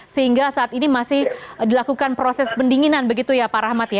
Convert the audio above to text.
sehingga saat ini masih dilakukan proses pendinginan begitu ya pak rahmat ya